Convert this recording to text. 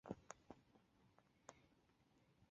类似的多硫化钙用作杀虫剂。